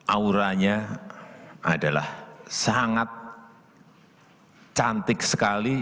auranya adalah sangat cantik sekali